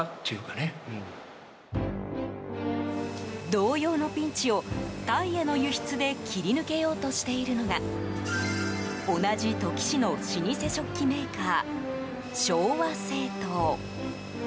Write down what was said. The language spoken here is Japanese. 同様のピンチをタイへの輸出で切り抜けようとしているのが同じ土岐市の老舗食器メーカー昭和製陶。